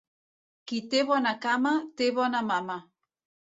Qui té bona cama, té bona mama.